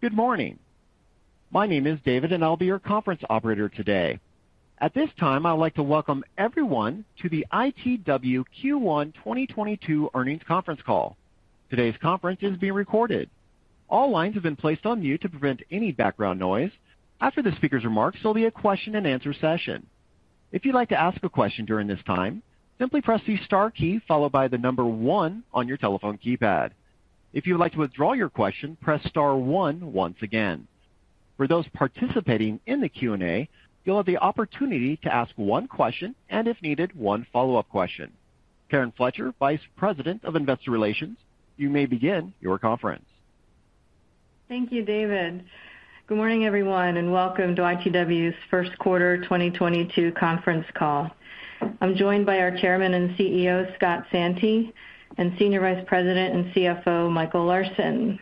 Good morning. My name is David, and I'll be your conference operator today. At this time, I'd like to welcome everyone to the ITW Q1 2022 Earnings Conference Call. Today's conference is being recorded. All lines have been placed on mute to prevent any background noise. After the speaker's remarks, there'll be a question-and-answer session. If you'd like to ask a question during this time, simply press the star key followed by the number one on your telephone keypad. If you would like to withdraw your question, press star one once again. For those participating in the Q&A, you'll have the opportunity to ask one question and, if needed, one follow-up question. Karen Fletcher, Vice President of Investor Relations, you may begin your conference. Thank you, David. Good morning, everyone, and welcome to ITW's first quarter 2022 conference call. I'm joined by our Chairman and CEO, Scott Santi, and Senior Vice President and CFO, Michael M. Larsen.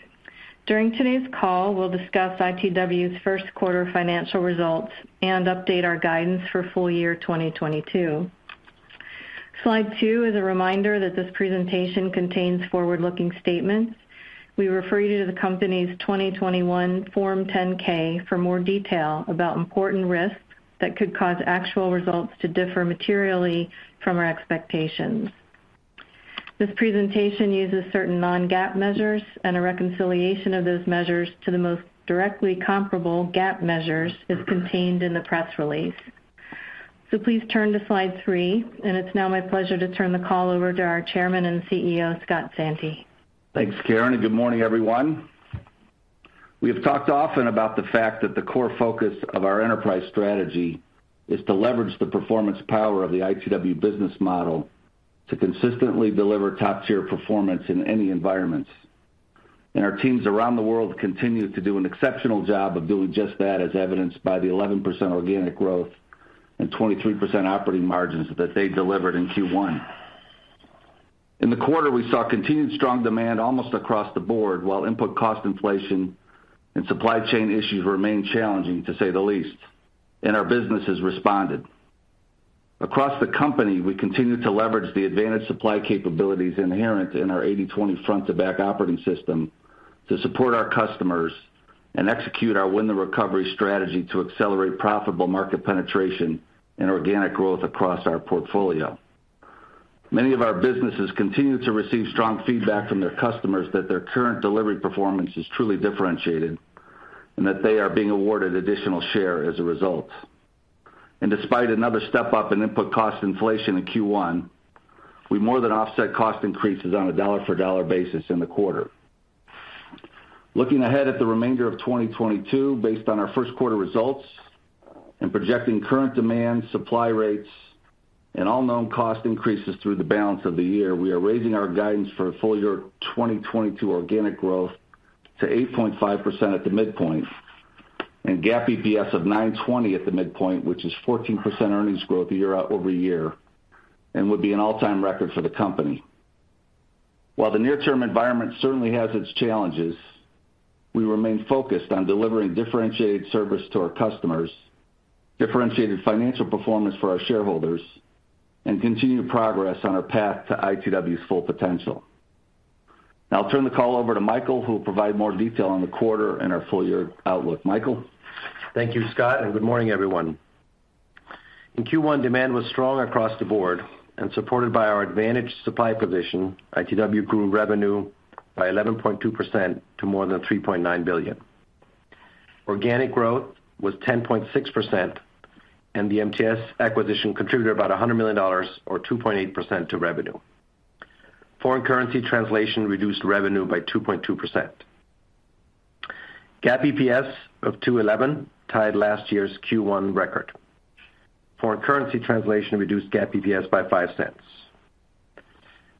During today's call, we'll discuss ITW's first quarter financial results and update our guidance for full year 2022. Slide two is a reminder that this presentation contains forward-looking statements. We refer you to the company's 2021 Form 10-K for more detail about important risks that could cause actual results to differ materially from our expectations. This presentation uses certain non-GAAP measures, and a reconciliation of those measures to the most directly comparable GAAP measures is contained in the press release. Please turn to slide three, and it's now my pleasure to turn the call over to our Chairman and CEO, Scott Santi. Thanks, Karen, and good morning, everyone. We have talked often about the fact that the core focus of our enterprise strategy is to leverage the performance power of the ITW business model to consistently deliver top-tier performance in any environment. Our teams around the world continue to do an exceptional job of doing just that, as evidenced by the 11% organic growth and 23% operating margins that they delivered in Q1. In the quarter, we saw continued strong demand almost across the board, while input cost inflation and supply chain issues remained challenging, to say the least. Our business has responded. Across the company, we continue to leverage the advantaged supply capabilities inherent in our 80/20 Front-to-Back operating system to support our customers and execute our win the recovery strategy to accelerate profitable market penetration and organic growth across our portfolio. Many of our businesses continue to receive strong feedback from their customers that their current delivery performance is truly differentiated and that they are being awarded additional share as a result. Despite another step-up in input cost inflation in Q1, we more than offset cost increases on a dollar-for-dollar basis in the quarter. Looking ahead at the remainder of 2022, based on our first quarter results and projecting current demand, supply rates, and all known cost increases through the balance of the year, we are raising our guidance for full- year 2022 organic growth to 8.5% at the midpoint and GAAP EPS of $9.20 at the midpoint, which is 14% earnings growth year-over-year and would be an all-time record for the company. While the near-term environment certainly has its challenges, we remain focused on delivering differentiated service to our customers, differentiated financial performance for our shareholders, and continued progress on our path to ITW's full potential. Now I'll turn the call over to Michael, who will provide more detail on the quarter and our full-year outlook. Michael? Thank you, Scott, and good morning, everyone. In Q1, demand was strong across the board and supported by our advantaged supply position. ITW grew revenue by 11.2% to more than $3.9 billion. Organic growth was 10.6%, and the MTS acquisition contributed about $100 million or 2.8% to revenue. Foreign currency translation reduced revenue by 2.2%. GAAP EPS of $2.11 tied last year's Q1 record. Foreign currency translation reduced GAAP EPS by $0.05.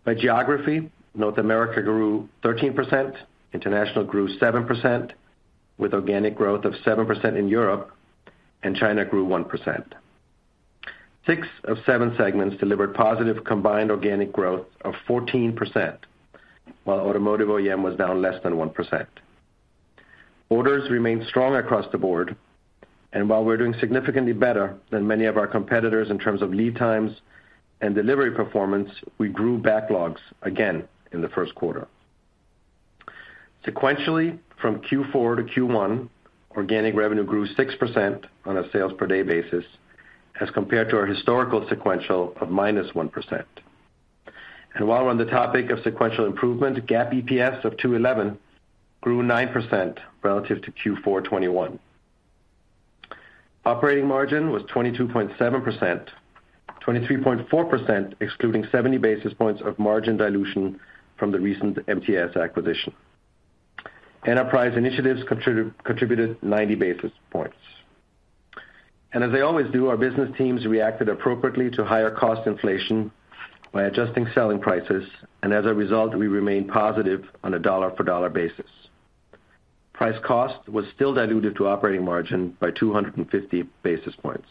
By geography, North America grew 13%, International grew 7% with organic growth of 7% in Europe, and China grew 1%. Six of seven segments delivered positive combined organic growth of 14%, while Automotive OEM was down less than 1%. Orders remained strong across the board, and while we're doing significantly better than many of our competitors in terms of lead times and delivery performance, we grew backlogs again in the first quarter. Sequentially, from Q4 to Q1, organic revenue grew 6% on a sales per day basis as compared to our historical sequential of -1%. While we're on the topic of sequential improvement, GAAP EPS of 2.11 grew 9% relative to Q4 2021. Operating margin was 22.7%, 23.4% excluding 70 basis points of margin dilution from the recent MTS acquisition. Enterprise initiatives contributed 90 basis points. As they always do, our business teams reacted appropriately to higher cost inflation by adjusting selling prices, and as a result, we remain positive on a dollar-for-dollar basis. Price cost was still dilutive to operating margin by 250 basis points.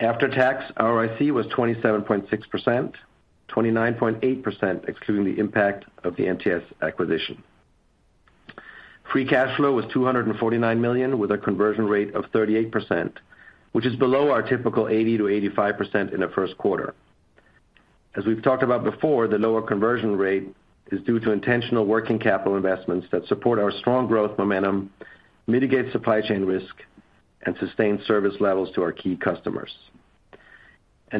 After tax, ROIC was 27.6%, 29.8% excluding the impact of the MTS acquisition. Free cash flow was $249 million with a conversion rate of 38%, which is below our typical 80%-85% in the first quarter. As we've talked about before, the lower conversion rate is due to intentional working capital investments that support our strong growth momentum, mitigate supply chain risk, and sustain service levels to our key customers.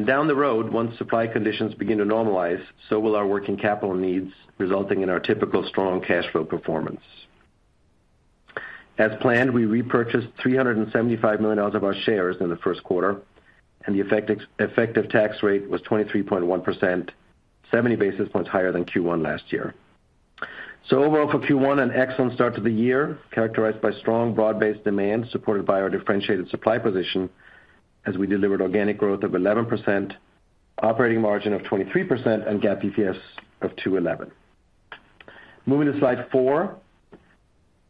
Down the road, once supply conditions begin to normalize, so will our working capital needs, resulting in our typical strong cash flow performance. As planned, we repurchased $375 million of our shares in the first quarter, and the effective tax rate was 23.1%, 70 basis points higher than Q1 last year. Overall for Q1, an excellent start to the year, characterized by strong broad-based demand, supported by our differentiated supply position as we delivered organic growth of 11%, operating margin of 23%, and GAAP EPS of $2.11. Moving to slide four,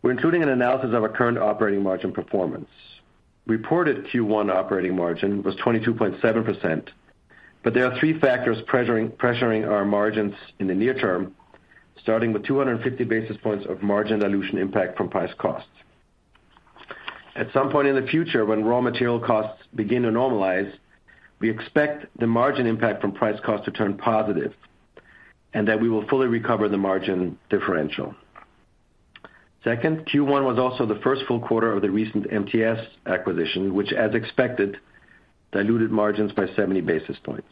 we're including an analysis of our current operating margin performance. Reported Q1 operating margin was 22.7%, but there are three factors pressuring our margins in the near term, starting with 250 basis points of margin dilution impact from price costs. At some point in the future, when raw material costs begin to normalize, we expect the margin impact from price cost to turn positive, and that we will fully recover the margin differential. Second, Q1 was also the first full quarter of the recent MTS acquisition, which as expected, diluted margins by 70 basis points.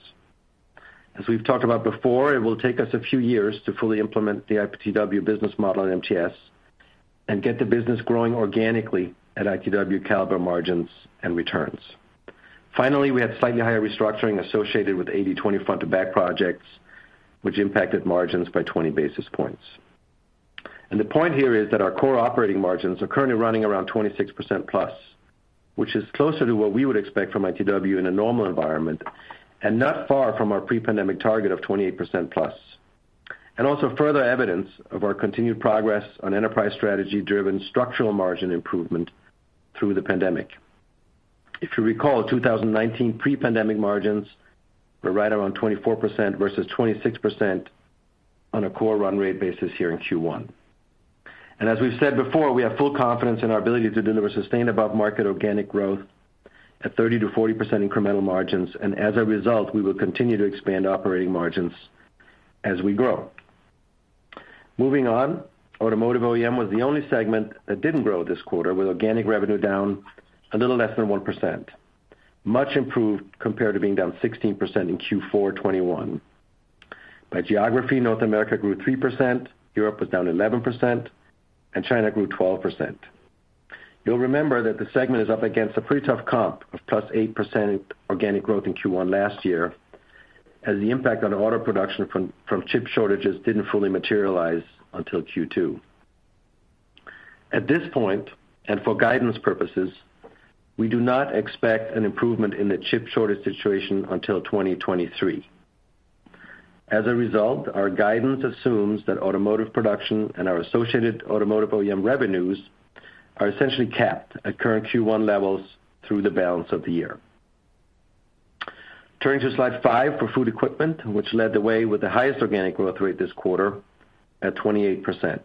As we've talked about before, it will take us a few years to fully implement the ITW business model at MTS and get the business growing organically at ITW caliber margins and returns. Finally, we had slightly higher restructuring associated with the 80/20 Front-to-Back projects, which impacted margins by 20 basis points. The point here is that our core operating margins are currently running around 26%+, which is closer to what we would expect from ITW in a normal environment and not far from our pre-pandemic target of 28%+. Also further evidence of our continued progress on enterprise strategy-driven structural margin improvement through the pandemic. If you recall, 2019 pre-pandemic margins were right around 24% versus 26% on a core run rate basis here in Q1. As we've said before, we have full confidence in our ability to deliver sustained above-market organic growth at 30%-40% incremental margins. As a result, we will continue to expand operating margins as we grow. Moving on. Automotive OEM was the only segment that didn't grow this quarter, with organic revenue down a little less than 1%, much improved compared to being down 16% in Q4 2021. By geography, North America grew 3%, Europe was down 11%, and China grew 12%. You'll remember that the segment is up against a pretty tough comp of +8% organic growth in Q1 last year, as the impact on auto production from chip shortages didn't fully materialize until Q2. At this point, and for guidance purposes, we do not expect an improvement in the chip shortage situation until 2023. As a result, our guidance assumes that automotive production and our associated automotive OEM revenues are essentially capped at current Q1 levels through the balance of the year. Turning to slide five for food equipment, which led the way with the highest organic growth rate this quarter at 28%.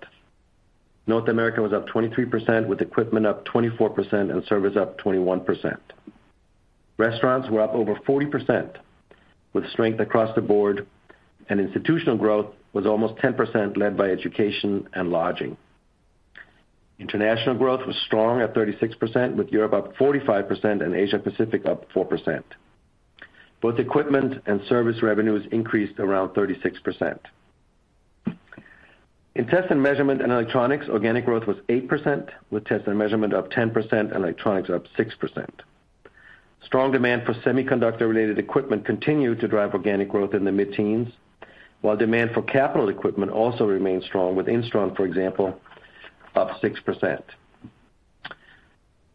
North America was up 23%, with equipment up 24% and service up 21%. Restaurants were up over 40%, with strength across the board, and institutional growth was almost 10%, led by education and lodging. International growth was strong at 36%, with Europe up 45% and Asia Pacific up 4%. Both equipment and service revenues increased around 36%. In Test & Measurement and Electronics, organic growth was 8%, with Test and Measurement up 10%, Electronics up 6%. Strong demand for semiconductor-related equipment continued to drive organic growth in the mid-teens, while demand for capital equipment also remained strong with Instron, for example, up 6%.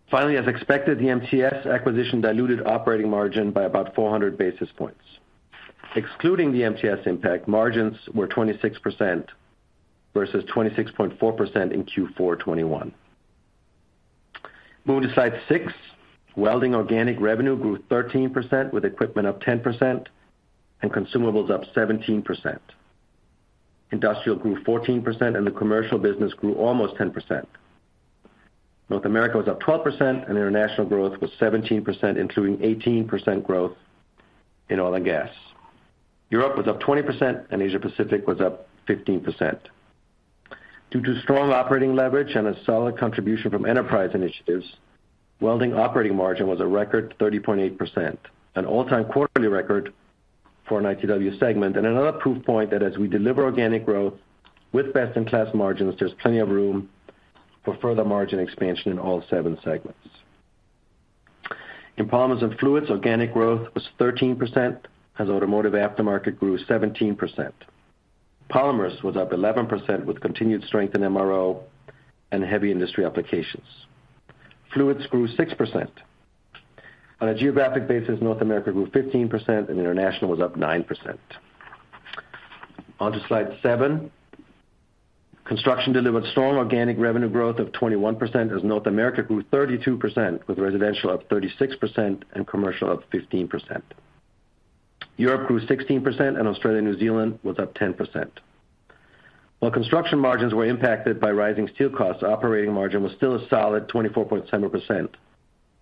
Finally, as expected, the MTS acquisition diluted operating margin by about 400 basis points. Excluding the MTS impact, margins were 26% versus 26.4% in Q4 2021. Moving to slide 6. Welding organic revenue grew 13%, with equipment up 10% and consumables up 17%. Industrial grew 14% and the commercial business grew almost 10%. North America was up 12% and international growth was 17%, including 18% growth in oil and gas. Europe was up 20% and Asia Pacific was up 15%. Due to strong operating leverage and a solid contribution from enterprise initiatives, Welding operating margin was a record 30.8%, an all-time quarterly record for an ITW segment, and another proof point that as we deliver organic growth with best-in-class margins, there's plenty of room for further margin expansion in all seven segments. In Polymers & Fluids, organic growth was 13% as automotive aftermarket grew 17%. Polymers was up 11% with continued strength in MRO and heavy industry applications. Fluids grew 6%. On a geographic basis, North America grew 15% and international was up 9%. On to slide seven. Construction delivered strong organic revenue growth of 21% as North America grew 32% with residential up 36% and commercial up 15%. Europe grew 16% and Australia/New Zealand was up 10%. While construction margins were impacted by rising steel costs, operating margin was still a solid 24.7%,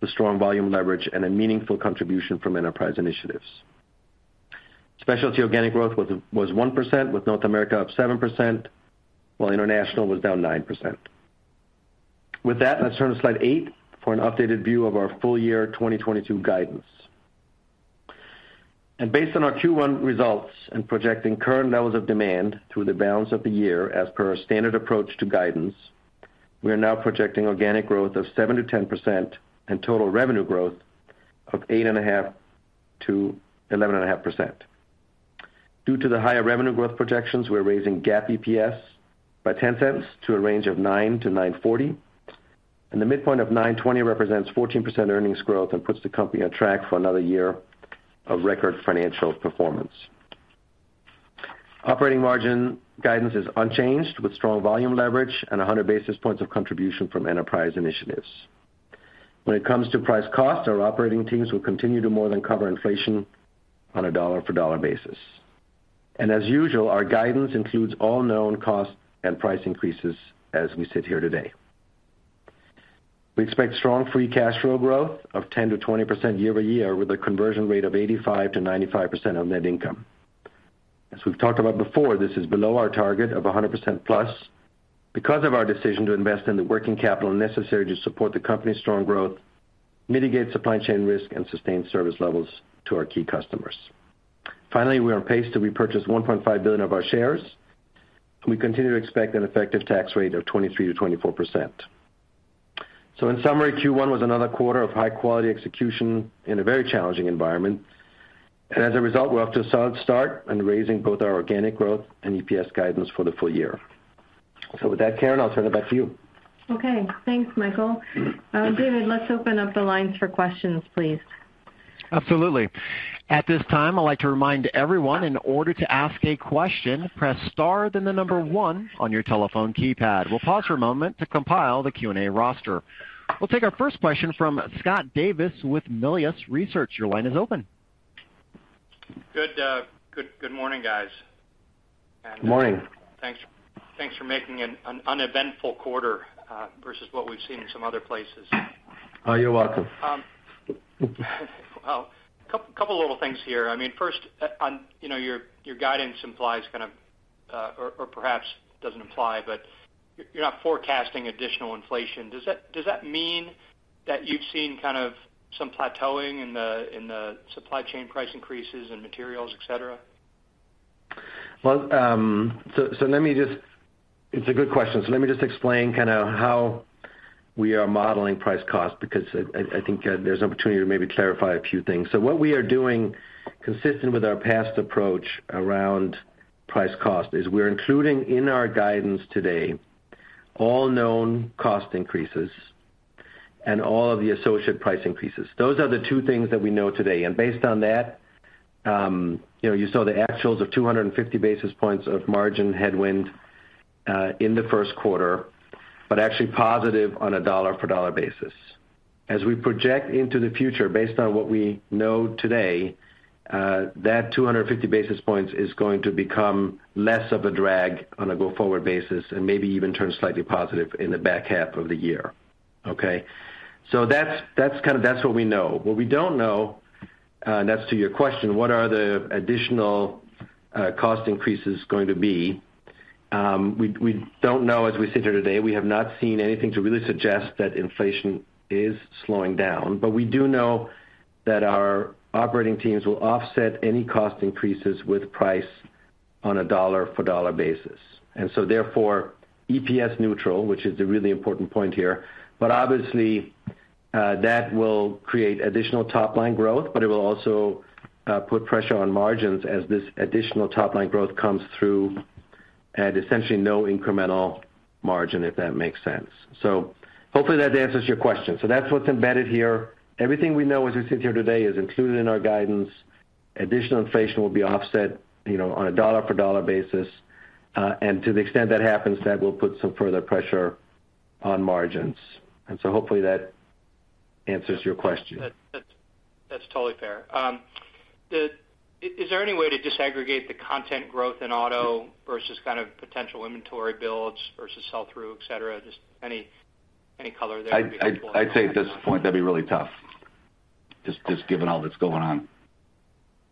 with strong volume leverage and a meaningful contribution from enterprise initiatives. Specialty organic growth was 1%, with North America up 7%, while international was down 9%. With that, let's turn to slide 8 for an updated view of our full- year 2022 guidance. Based on our Q1 results and projecting current levels of demand through the balance of the year as per our standard approach to guidance, we are now projecting organic growth of 7%-10% and total revenue growth of 8.5%-11.5%. Due to the higher revenue growth projections, we're raising GAAP EPS by $0.10 to a range of $9.00-$9.40, and the midpoint of $9.20 represents 14% earnings growth and puts the company on track for another year of record financial performance. Operating margin guidance is unchanged with strong volume leverage and 100 basis points of contribution from enterprise initiatives. When it comes to price cost, our operating teams will continue to more than cover inflation on a dollar for dollar basis. As usual, our guidance includes all known cost and price increases as we sit here today. We expect strong free cash flow growth of 10%-20% year-over-year, with a conversion rate of 85%-95% of net income. As we've talked about before, this is below our target of 100%+ because of our decision to invest in the working capital necessary to support the company's strong growth, mitigate supply chain risk, and sustain service levels to our key customers. Finally, we are on pace to repurchase $1.5 billion of our shares, and we continue to expect an effective tax rate of 23%-24%. In summary, Q1 was another quarter of high-quality execution in a very challenging environment. As a result, we're off to a solid start on raising both our organic growth and EPS guidance for the full -year. With that, Karen, I'll turn it back to you. Okay, thanks, Michael. David, let's open up the lines for questions, please. Absolutely. At this time, I'd like to remind everyone in order to ask a question, press star then the number one on your telephone keypad. We'll pause for a moment to compile the Q&A roster. We'll take our first question from Scott Davis with Melius Research. Your line is open. Good morning, guys. Morning. Thanks for making an uneventful quarter versus what we've seen in some other places. Oh, you're welcome. Well, a couple of little things here. I mean, first on, you know, your guidance implies kind of, or perhaps doesn't imply, but you're not forecasting additional inflation. Does that mean that you've seen kind of some plateauing in the supply chain price increases in materials, et cetera? It's a good question. So let me just explain kinda how we are modeling price-cost, because I think there's an opportunity to maybe clarify a few things. So what we are doing consistent with our past approach around price-cost is we're including in our guidance today all known cost increases and all of the associated price increases. Those are the two things that we know today. Based on that, you know, you saw the actuals of 250 basis points of margin headwind in the first quarter, but actually positive on a dollar-for-dollar basis. As we project into the future based on what we know today, that 250 basis points is going to become less of a drag on a go-forward basis and maybe even turn slightly positive in the back half of the year. That's kinda what we know. What we don't know, and that's to your question, what are the additional cost increases going to be? We don't know as we sit here today. We have not seen anything to really suggest that inflation is slowing down. We do know that our operating teams will offset any cost increases with price on a dollar for dollar basis. Therefore, EPS neutral, which is the really important point here. Obviously, that will create additional top line growth, but it will also put pressure on margins as this additional top line growth comes through at essentially no incremental margin, if that makes sense. Hopefully that answers your question. That's what's embedded here. Everything we know as we sit here today is included in our guidance. Additional inflation will be offset, you know, on a dollar for dollar basis. To the extent that happens, that will put some further pressure on margins. Hopefully that answers your question. That's totally fair. Is there any way to disaggregate the content growth in auto versus kind of potential inventory builds versus sell through, et cetera? Just any color there would be helpful. I'd say at this point, that'd be really tough, just given all that's going on. Okay.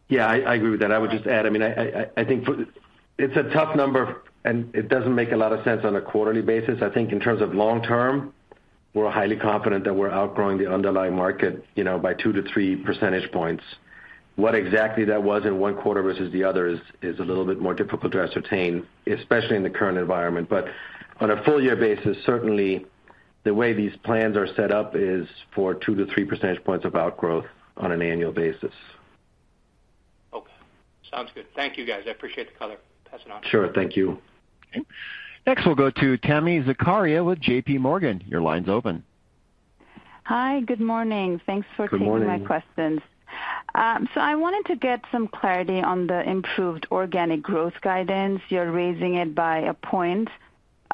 Yeah, I agree with that. I would just add, I mean, I think it's a tough number, and it doesn't make a lot of sense on a quarterly basis. I think in terms of long- term, we're highly confident that we're outgrowing the underlying market, you know, by 2-3 percentage points. What exactly that was in one quarter versus the other is a little bit more difficult to ascertain, especially in the current environment. On a full- year basis, certainly the way these plans are set up is for 2-3 percentage points of outgrowth on an annual basis. Okay. Sounds good. Thank you, guys. I appreciate the color. Passing on. Sure. Thank you. Okay. Next, we'll go to Tami Zakaria with J.P. Morgan. Your line's open. Hi. Good morning. Thanks for taking my questions. Good morning. I wanted to get some clarity on the improved organic growth guidance. You're raising it by a point. Is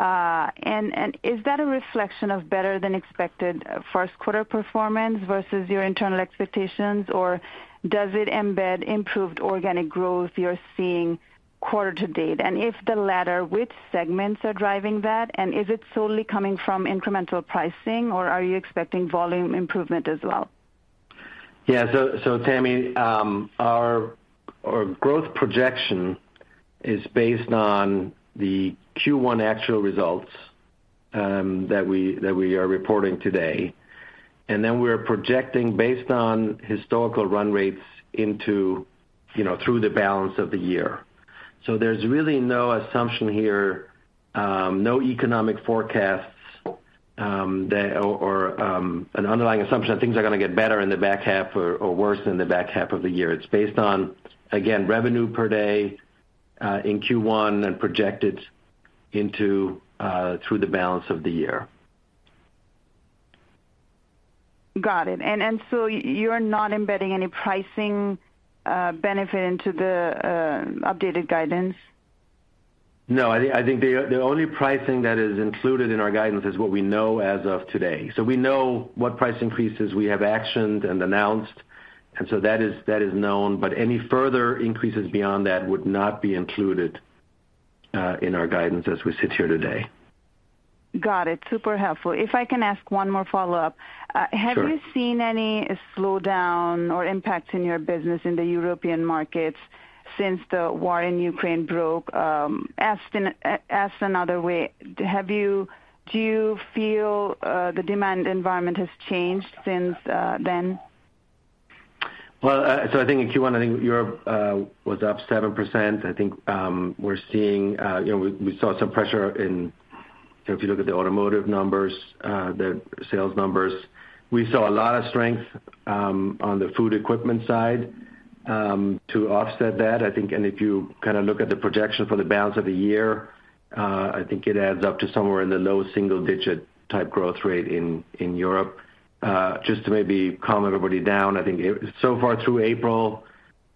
that a reflection of better than expected first quarter performance versus your internal expectations? Does it embed improved organic growth you're seeing quarter to date? If the latter, which segments are driving that? Is it solely coming from incremental pricing, or are you expecting volume improvement as well? Yeah. So, Tammy, our growth projection is based on the Q1 actual results that we are reporting today. We are projecting based on historical run rates into through the balance of the year. There's really no assumption here, no economic forecasts or an underlying assumption that things are gonna get better in the back half or worse in the back half of the year. It's based on, again, revenue per day in Q1 and projected into through the balance of the year. Got it. You're not embedding any pricing benefit into the updated guidance? No. I think the only pricing that is included in our guidance is what we know as of today. We know what price increases we have actioned and announced, and that is known, but any further increases beyond that would not be included in our guidance as we sit here today. Got it. Super helpful. If I can ask one more follow-up. Sure. Have you seen any slowdown or impact in your business in the European markets since the war in Ukraine broke? Asked another way, do you feel the demand environment has changed since then? Well, I think in Q1, I think Europe was up 7%. I think we're seeing you know we saw some pressure in you know if you look at the automotive numbers the sales numbers. We saw a lot of strength on the food equipment side to offset that I think. If you kind of look at the projection for the balance of the year I think it adds up to somewhere in the low single digit type growth rate in Europe. Just to maybe calm everybody down I think so far through April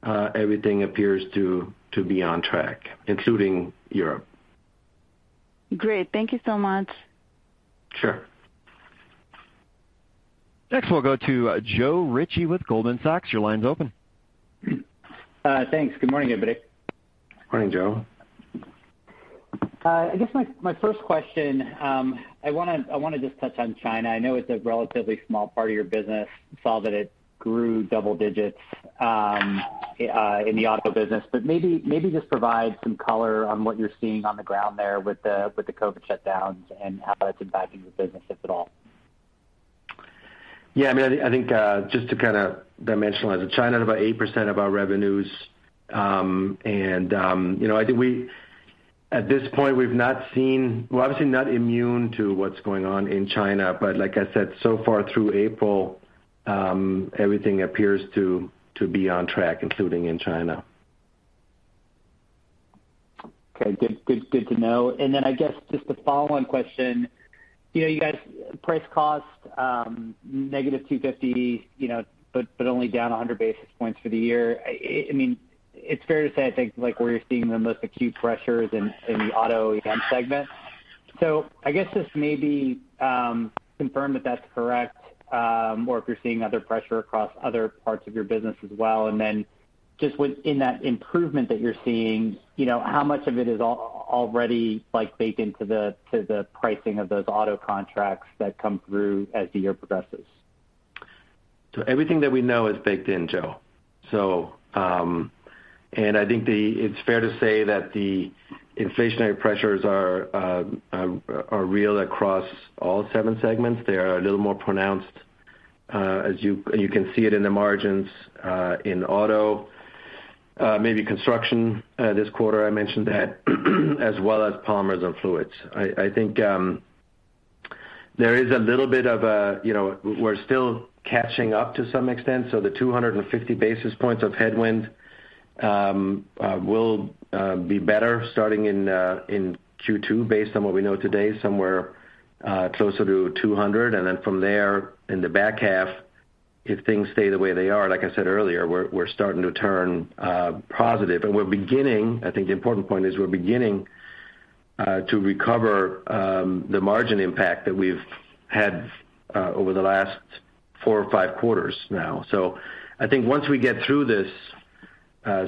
everything appears to be on track including Europe. Great. Thank you so much. Sure. Next, we'll go to Joe Ritchie with Goldman Sachs. Your line's open. Thanks. Good morning, everybody. Morning, Joe. I guess my first question, I wanna just touch on China. I know it's a relatively small part of your business. Saw that it grew double digits in the auto business, but maybe just provide some color on what you're seeing on the ground there with the COVID shutdowns and how that's impacting the business, if at all. Yeah, I mean, I think just to kind of dimensionalize it, China is about 8% of our revenues. You know, I think at this point, we've not seen. We're obviously not immune to what's going on in China, but like I said, so far through April, everything appears to be on track, including in China. Good to know. I guess just a follow-on question. You know, you guys price/cost negative 250, you know, but only down 100 basis points for the year. I mean, it's fair to say, I think, like, where you're seeing the most acute pressures in the auto segment. I guess just maybe confirm that that's correct, or if you're seeing other pressure across other parts of your business as well. Just within that improvement that you're seeing, you know, how much of it is already, like, baked into the pricing of those auto contracts that come through as the year progresses? Everything that we know is baked in, Joe. I think it's fair to say that the inflationary pressures are real across all seven segments. They are a little more pronounced, and you can see it in the margins in auto, maybe construction, this quarter I mentioned that, as well as Polymers and Fluids. I think we're still catching up to some extent. The 250 basis points of headwind will be better starting in Q2, based on what we know today, somewhere closer to 200. Then from there in the back half, if things stay the way they are, like I said earlier, we're starting to turn positive. I think the important point is we're beginning to recover the margin impact that we've had over the last four or five quarters now. I think once we get through this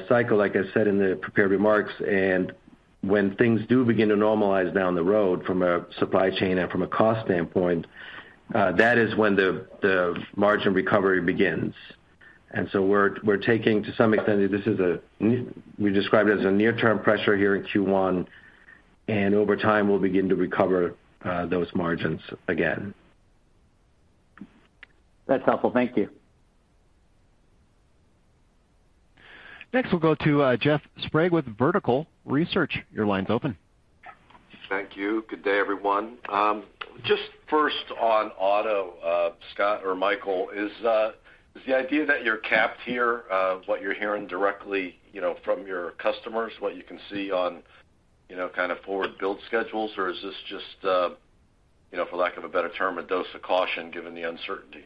cycle, like I said in the prepared remarks, and when things do begin to normalize down the road from a supply chain and from a cost standpoint, that is when the margin recovery begins. We're taking to some extent, this is a near-term pressure here in Q1, and over time, we'll begin to recover those margins again. That's helpful. Thank you. Next, we'll go to Jeff Sprague with Vertical Research. Your line's open. Thank you. Good day, everyone. Just first on auto, Scott or Michael, is the idea that you're capped here, what you're hearing directly, you know, from your customers, what you can see on, you know, kind of forward build schedules? Or is this just, you know, for lack of a better term, a dose of caution given the uncertainty?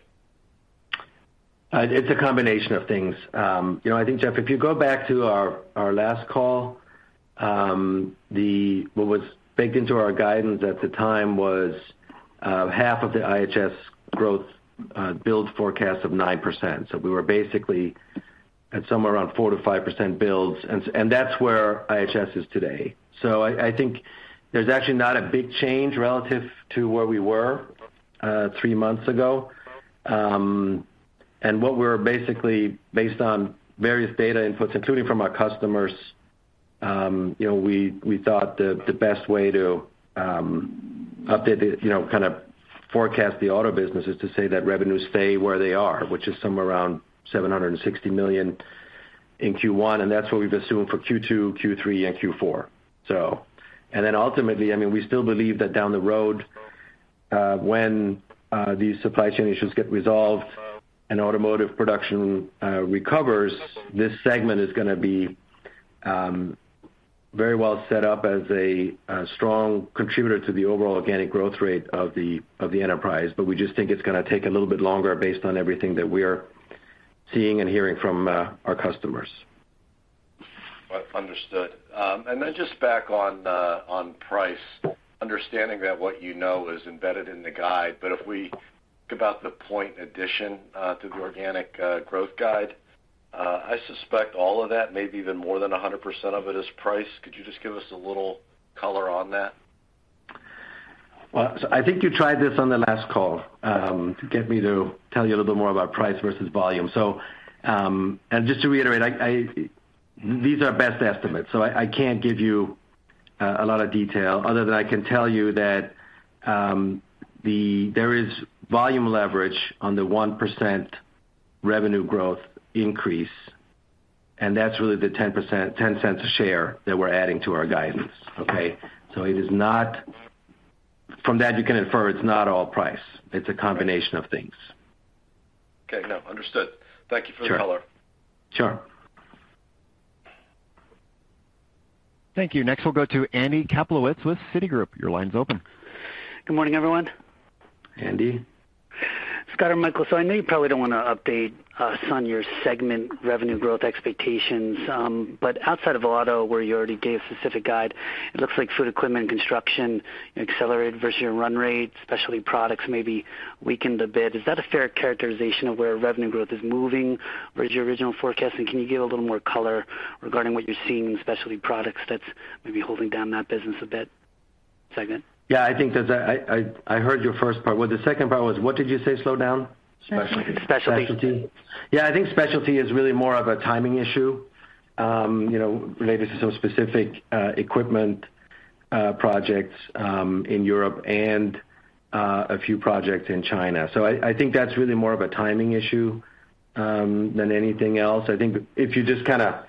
It's a combination of things. You know, I think, Jeff, if you go back to our last call, what was baked into our guidance at the time was half of the IHS growth build forecast of 9%. We were basically at somewhere around 4%-5% builds, and that's where IHS is today. I think there's actually not a big change relative to where we were three months ago. What we're basically basing on various data inputs, including from our customers, you know, we thought the best way to update it, you know, kind of forecast the auto business is to say that revenues stay where they are, which is somewhere around $760 million in Q1, and that's what we've assumed for Q2, Q3, and Q4. Ultimately, I mean, we still believe that down the road, when these supply chain issues get resolved and automotive production recovers, this segment is gonna be very well set up as a strong contributor to the overall organic growth rate of the enterprise. But we just think it's gonna take a little bit longer based on everything that we're seeing and hearing from our customers. Understood. Then just back on price, understanding that what you know is embedded in the guide, but if we think about the point addition to the organic growth guide, I suspect all of that maybe even more than 100% of it is price. Could you just give us a little color on that? I think you tried this on the last call to get me to tell you a little more about price versus volume. To reiterate, these are best estimates, so I can't give you a lot of detail other than I can tell you that there is volume leverage on the 1% revenue growth increase, and that's really the $0.10 a share that we're adding to our guidance, okay? From that, you can infer it's not all price. It's a combination of things. Okay. No. Understood. Thank you for the color. Sure. Thank you. Next, we'll go to Andy Kaplowitz with Citigroup. Your line's open. Good morning, everyone. Andy. Scott or Michael. I know you probably don't wanna update us on your segment revenue growth expectations, but outside of auto where you already gave specific guide, it looks like food equipment and construction accelerated versus your run rate, specialty products maybe weakened a bit. Is that a fair characterization of where revenue growth is moving versus your original forecast? And can you give a little more color regarding what you're seeing in specialty products that's maybe holding down that business segment a bit? Yeah, I think that's. I heard your first part. What was the second part, what did you say slow down? Specialty. Specialty. Yeah. I think specialty is really more of a timing issue, you know, related to some specific equipment projects in Europe and a few projects in China. So I think that's really more of a timing issue than anything else. I think if you just kinda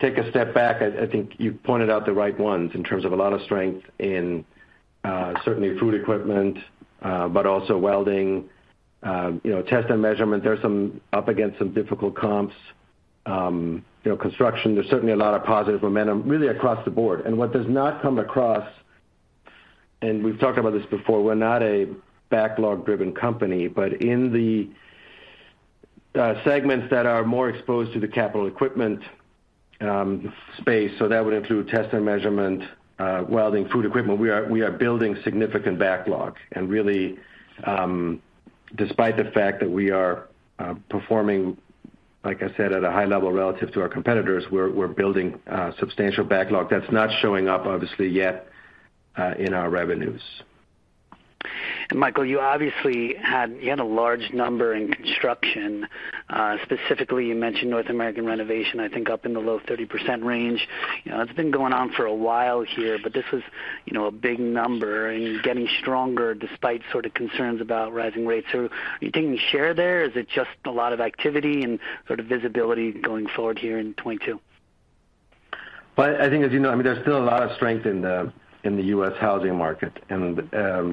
take a step back, I think you pointed out the right ones in terms of a lot of strength in certainly Food Equipment, but also Welding, you know, Test & Measurement. There's some up against some difficult comps. You know, Construction, there's certainly a lot of positive momentum really across the board. What does not come across, and we've talked about this before, we're not a backlog-driven company. In the segments that are more exposed to the capital equipment space, so that would include Test & Measurement, Welding, Food Equipment, we are building significant backlog. Really, despite the fact that we are performing, like I said, at a high level relative to our competitors, we're building substantial backlog. That's not showing up obviously yet in our revenues. Michael, you obviously had a large number in construction. Specifically, you mentioned North American renovation, I think up in the low 30% range. You know, it's been going on for a while here, but this was, you know, a big number and getting stronger despite sort of concerns about rising rates. Are you taking share there? Is it just a lot of activity and sort of visibility going forward here in 2022? Well, I think as you know, I mean, there's still a lot of strength in the U.S. housing market, and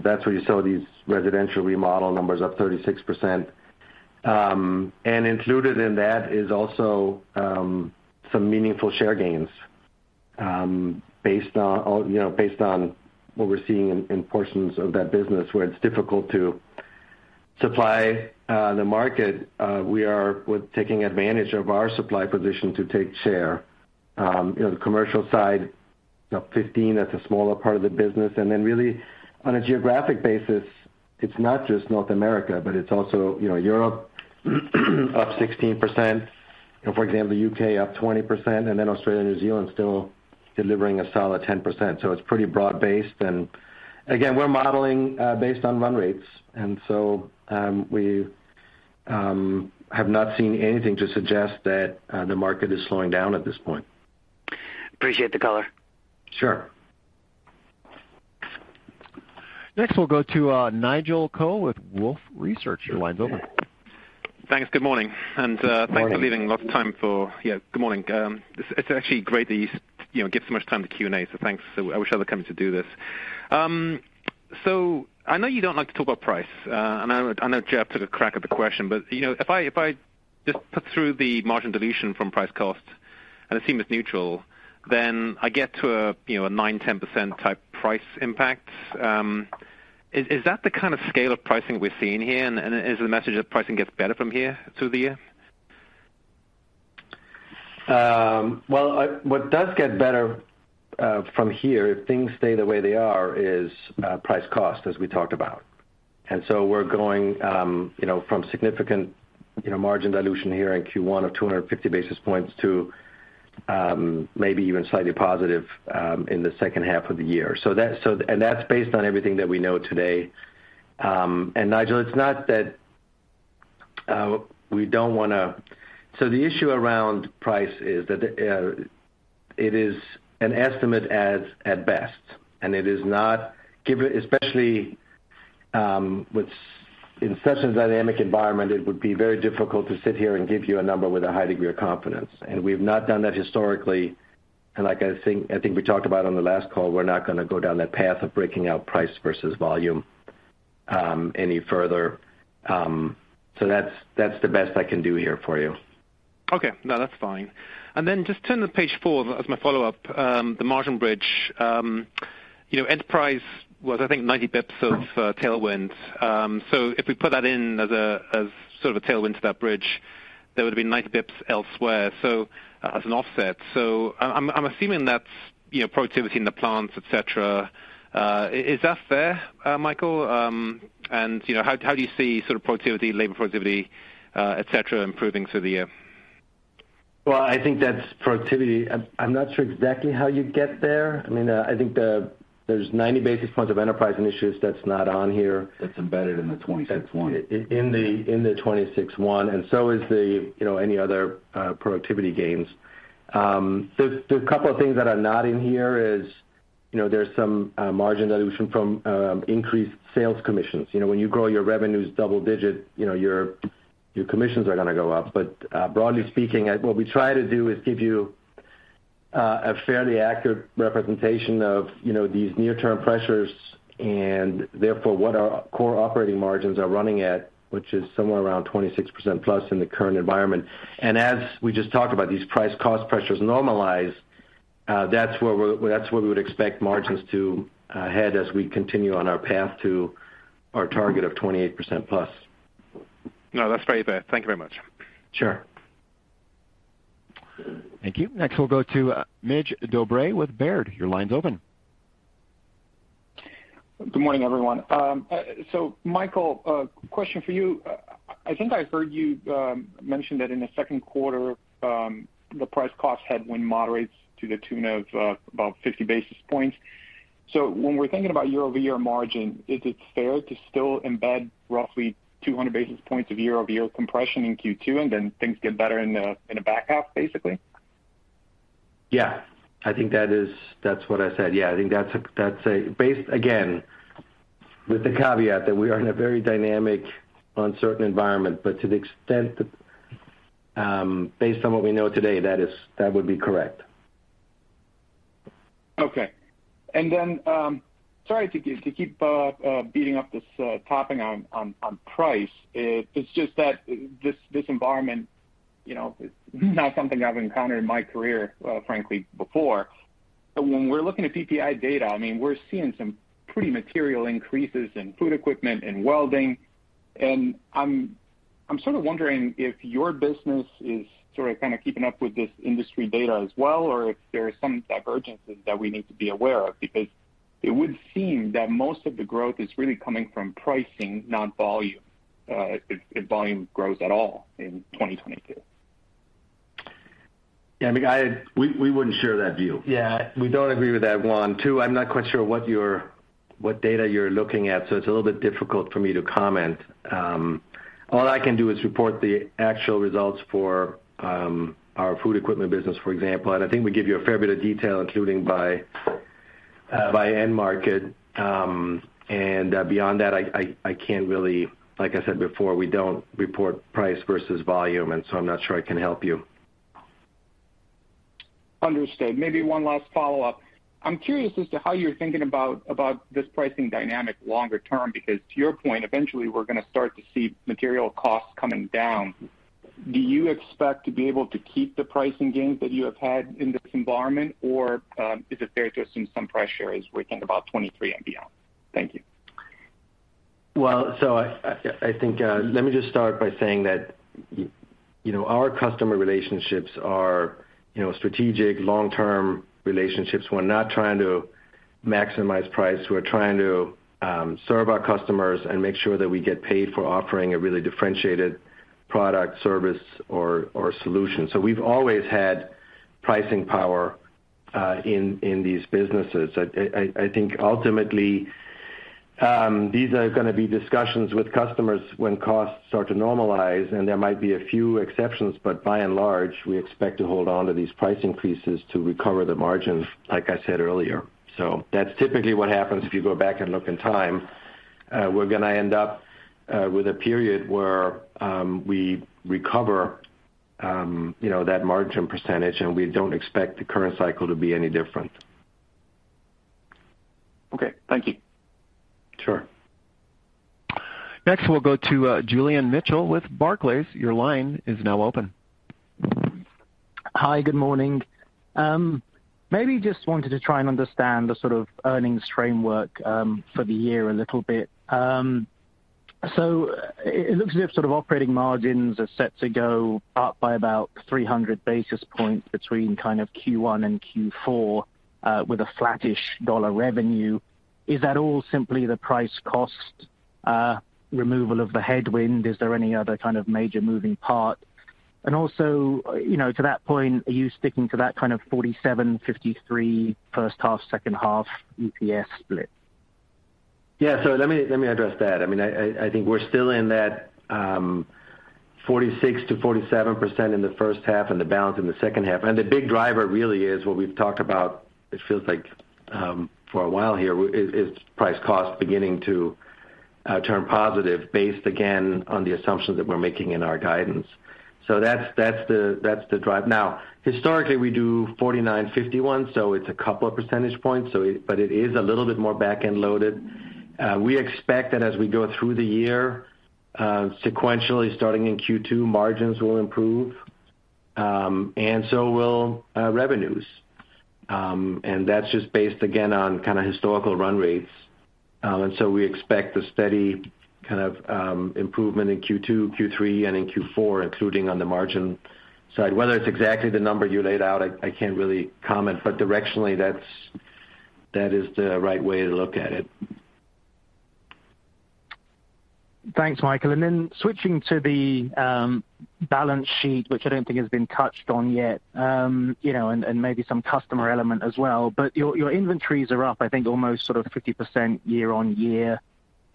that's where you saw these residential remodel numbers up 36%. And included in that is also some meaningful share gains based on, you know, what we're seeing in portions of that business where it's difficult to supply the market. We are taking advantage of our supply position to take share. You know, the commercial side, you know, 15%, that's a smaller part of the business. Then really on a geographic basis, it's not just North America, but it's also, you know, Europe up 16%. You know, for example, U.K. up 20%, and then Australia and New Zealand still delivering a solid 10%. It's pretty broad-based. We're modeling based on run rates. We have not seen anything to suggest that the market is slowing down at this point. Appreciate the color. Sure. Next, we'll go to Nigel Coe with Wolfe Research. Your line's open. Thanks. Good morning. Good morning. Thanks for leaving a lot of time. Yeah. Good morning. It's actually great that you know give so much time to Q&A, so thanks. I wish other companies would do this. I know you don't like to talk about price. I know Jeff took a crack at the question, but you know, if I just put through the margin dilution from price costs. It seemed as neutral. I get to a, you know, a 9%-10% type price impact. Is that the kind of scale of pricing we're seeing here? Is the message that pricing gets better from here through the year? Well, what does get better from here, if things stay the way they are, is price cost, as we talked about. We're going, you know, from significant, you know, margin dilution here in Q1 of 250 basis points to maybe even slightly positive in the second half of the year. That, that's based on everything that we know today. Nigel, it's not that we don't wanna. The issue around price is that it is an estimate at best, especially within such a dynamic environment, it would be very difficult to sit here and give you a number with a high degree of confidence. We've not done that historically. Like, I think we talked about on the last call, we're not gonna go down that path of breaking out price versus volume any further. That's the best I can do here for you. Okay. No, that's fine. Then just turning to page 4 as my follow-up, the margin bridge, you know, enterprise was, I think, 90 basis points of tailwind. So if we put that in as a sort of a tailwind to that bridge, there would have been 90 basis points elsewhere, so as an offset. I'm assuming that's, you know, productivity in the plants, et cetera. Is that fair, Michael? You know, how do you see sort of productivity, labor productivity, et cetera, improving through the year? Well, I think that's productivity. I'm not sure exactly how you get there. I mean, I think there's 90 basis points of enterprise initiatives that's not on here. It's embedded in the 26-1. In the 26.1. So is the, you know, any other productivity gains. There's a couple of things that are not in here is, you know, there's some margin dilution from increased sales commissions. You know, when you grow your revenues double digit, you know, your commissions are gonna go up. But broadly speaking, what we try to do is give you a fairly accurate representation of, you know, these near term pressures and therefore what our core operating margins are running at, which is somewhere around 26%+ in the current environment. As we just talked about, these price cost pressures normalize, that's where we would expect margins to head as we continue on our path to our target of 28%+. No, that's very fair. Thank you very much. Sure. Thank you. Next, we'll go to Nicole DeBlase with Baird. Your line's open. Good morning, everyone. Michael, a question for you. I think I heard you mention that in the second quarter, the price cost headwind moderates to the tune of about 50 basis points. When we're thinking about year-over-year margin, is it fair to still embed roughly 200 basis points of year-over-year compression in Q2, and then things get better in the back half, basically? Yeah, I think that is, that's what I said. Yeah, I think that's a base. Again, with the caveat that we are in a very dynamic, uncertain environment, but to the extent that, based on what we know today, that is, that would be correct. Okay. Sorry to keep beating up this topic on price. It's just that this environment, you know, is not something I've encountered in my career, frankly, before. When we're looking at PPI data, I mean, we're seeing some pretty material increases in food equipment and welding, and I'm sort of wondering if your business is sort of kind of keeping up with this industry data as well, or if there are some divergences that we need to be aware of. Because it would seem that most of the growth is really coming from pricing, not volume, if volume grows at all in 2022. Yeah, I mean. We wouldn't share that view. Yeah, we don't agree with that one. Two, I'm not quite sure what data you're looking at, so it's a little bit difficult for me to comment. All I can do is report the actual results for our food equipment business, for example. I think we give you a fair bit of detail, including by end market. Beyond that, I can't really, like I said before, we don't report price versus volume, and so I'm not sure I can help you. Understood. Maybe one last follow-up. I'm curious as to how you're thinking about this pricing dynamic longer term, because to your point, eventually we're gonna start to see material costs coming down. Do you expect to be able to keep the pricing gains that you have had in this environment, or is it fair to assume some price erosion as we think about 2023 and beyond? Thank you. Well, I think, let me just start by saying that, you know, our customer relationships are, you know, strategic long-term relationships. We're not trying to maximize price. We're trying to serve our customers and make sure that we get paid for offering a really differentiated product, service or solution. We've always had pricing power in these businesses. I think ultimately, these are gonna be discussions with customers when costs start to normalize, and there might be a few exceptions, but by and large, we expect to hold on to these price increases to recover the margins, like I said earlier. That's typically what happens if you go back and look in time. We're gonna end up with a period where we recover, you know, that margin percentage, and we don't expect the current cycle to be any different. Okay. Thank you. Sure. Next, we'll go to Julian Mitchell with Barclays. Your line is now open. Hi. Good morning. Maybe just wanted to try and understand the sort of earnings framework for the year a little bit. So it looks as if sort of operating margins are set to go up by about 300 basis points between kind of Q1 and Q4, with a flattish dollar revenue. Is that all simply the price-cost removal of the headwind? Is there any other kind of major moving part? Also, you know, to that point, are you sticking to that kind of 47, 53 first half, second half EPS split? Yeah. Let me address that. I mean, I think we're still in that 46%-47% in the first half and the balance in the second half. The big driver really is what we've talked about, it feels like, for a while here, is price cost beginning to turn positive based, again, on the assumptions that we're making in our guidance. That's the drive. Now, historically, we do 49%-51%, so it's a couple of percentage points, but it is a little bit more back-end loaded. We expect that as we go through the year, sequentially starting in Q2, margins will improve, and so will revenues. That's just based, again, on kinda historical run rates. We expect a steady kind of improvement in Q2, Q3, and in Q4, including on the margin side. Whether it's exactly the number you laid out, I can't really comment, but directionally that is the right way to look at it. Thanks, Michael. Then switching to the balance sheet, which I don't think has been touched on yet, you know, and maybe some customer element as well, but your inventories are up, I think, almost sort of 50% year-over-year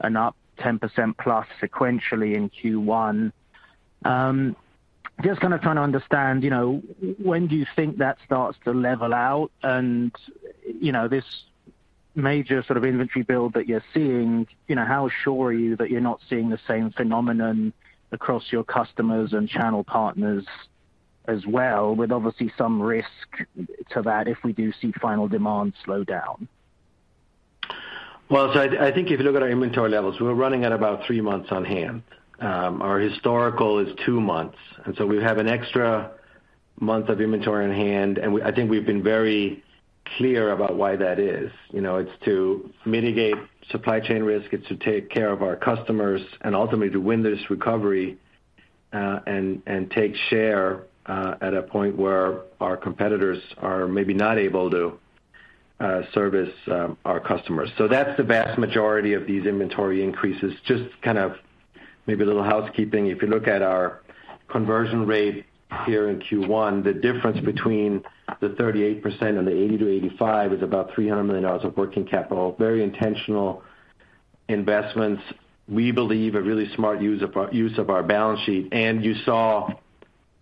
and up 10% plus sequentially in Q1. Just kinda trying to understand, you know, when do you think that starts to level out? You know, this major sort of inventory build that you're seeing, you know, how sure are you that you're not seeing the same phenomenon across your customers and channel partners as well, with obviously some risk to that if we do see final demand slow down? I think if you look at our inventory levels, we're running at about three months on hand. Our historical is two months, and we have an extra month of inventory on hand, and I think we've been very clear about why that is. You know, it's to mitigate supply chain risk, it's to take care of our customers and ultimately to win this recovery, and take share at a point where our competitors are maybe not able to service our customers. That's the vast majority of these inventory increases. Just kind of maybe a little housekeeping, if you look at our conversion rate here in Q1, the difference between the 38% and the 80%-85% is about $300 million of working capital. Very intentional investments we believe are really smart use of our balance sheet. You saw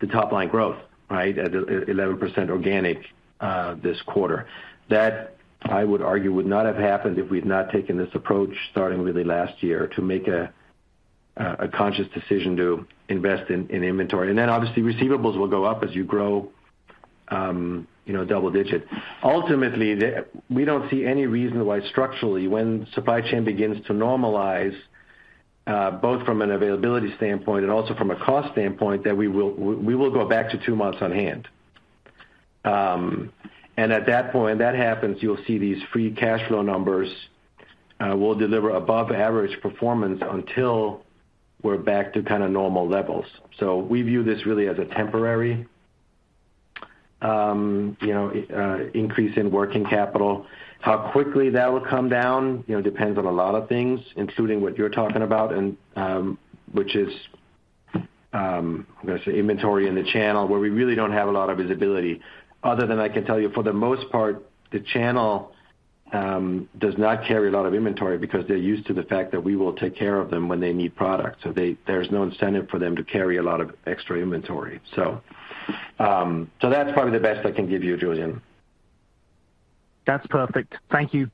the top line growth, right? At 11% organic this quarter. That, I would argue, would not have happened if we had not taken this approach starting really last year to make a conscious decision to invest in inventory. Then obviously receivables will go up as you grow, you know, double-digit. Ultimately, we don't see any reason why structurally when supply chain begins to normalize, both from an availability standpoint and also from a cost standpoint, that we will go back to two months on hand. At that point, when that happens, you'll see these free cash flow numbers will deliver above average performance until we're back to kinda normal levels. We view this really as a temporary, you know, increase in working capital. How quickly that will come down, you know, depends on a lot of things, including what you're talking about and, which is, I'm gonna say inventory in the channel where we really don't have a lot of visibility. Other than I can tell you, for the most part, the channel does not carry a lot of inventory because they're used to the fact that we will take care of them when they need product. There's no incentive for them to carry a lot of extra inventory. That's probably the best I can give you, Julian. That's perfect. Thank you.